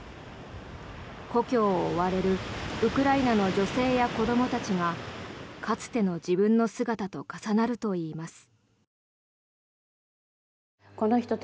故郷を追われるウクライナの女性や子どもたちがかつての自分の姿と重なるといいます。